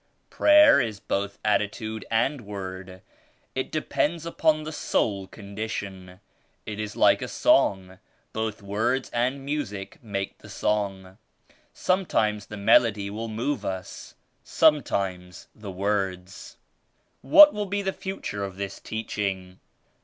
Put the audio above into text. "Prayer is both attitude and word; it depends upon the soul condition. It is like a song, both words and music make the song. Sometimes the melody will move us, sometimes the words." "What will be the future of this Teaching?"